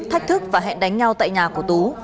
thách thức và hẹn đánh nhau tại nhà của tú